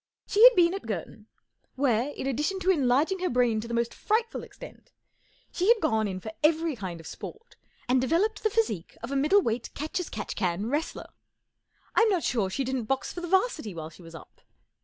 She had been at Girton, where, in addition to enlarging her brain to the most frightful extent, she had gone in for every kind of sport and developed the physique of a middle weight catch as catch can wrestler. I'm not sure she didn't box for the 'Varsity while she was up.